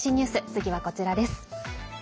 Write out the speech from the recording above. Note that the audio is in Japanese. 次はこちらです。